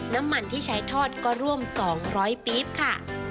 น้ำมันที่ใช้ทอดก็ร่วม๒๐๐ปี๊บค่ะ